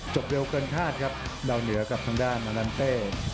จบเร็วเกินคาดครับดาวเหนือกับทางด้านมาดันเต้